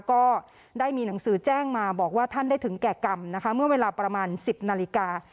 ก็ได้มีหนังสือแจ้งมาบอกว่าท่านได้ถึงแก่กรรมนะคะเมื่อเวลาประมาณ๑๐นาฬิกา